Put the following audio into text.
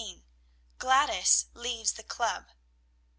GLADYS LEAVES THE CLUB.